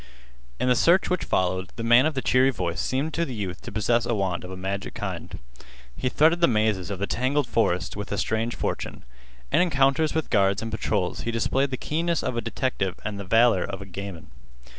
In the search which followed, the man of the cheery voice seemed to the youth to possess a wand of a magic kind. He threaded the mazes of the tangled forest with a strange fortune. In encounters with guards and patrols he displayed the keenness of a detective and the valor of a gamin.